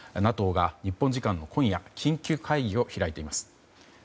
ＮＡＴＯが日本時間の今夜緊急会議を開いています。